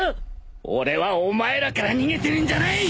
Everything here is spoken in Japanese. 俺はお前らから逃げてるんじゃない！